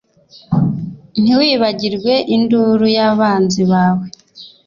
Ntiwibagirwe induru y’abanzi bawe